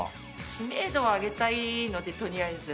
知名度を上げたいので取りあえず。